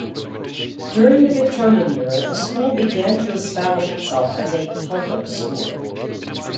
During the Victorian era the school began to establish itself as a "public school".